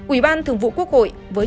ủy ban thường vụ quốc hội với